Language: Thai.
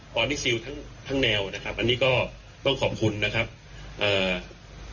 ตอนนี้ซิลทั้งทั้งแนวนะครับอันนี้ก็ต้องขอบคุณนะครับเอ่อ